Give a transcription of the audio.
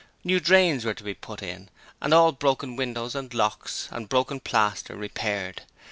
New drains were to be put in, and all broken windows and locks and broken plaster repaired.